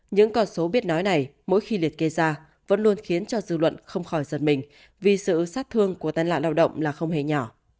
những con số biết nói này mỗi khi liệt kê ra vẫn luôn khiến cho dư luận không khỏi giật mình vì sự sát thương của tai nạn lao động là không hề nhỏ